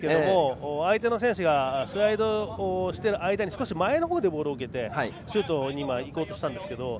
スライドは速いんですけど相手の選手がスライドをしている間に少し前のほうでボールを受けてシュートにいこうとしたんですが。